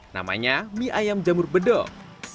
namanya mie ayam jamur bedok